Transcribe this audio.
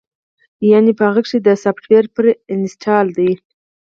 يعنې پۀ هغۀ کښې دا سافټوېر پري انسټالډ دے